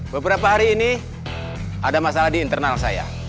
beberapa hari ini ada masalah di internal saya